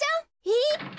えっ！？